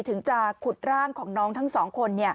ถึงจะขุดร่างของน้องทั้งสองคน